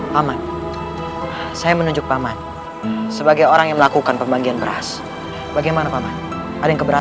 paman saya menunjuk paman sebagai orang yang melakukan pembagian beras bagaimana paman ada yang keberatan